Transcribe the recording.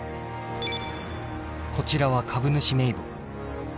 こちらは株主名簿。